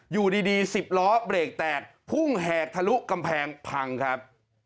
อยู่ดี๑๐ล้อเบรกแตกพุ่งแหกทะลุกำแพงพังครับ